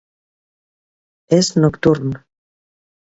És nocturn.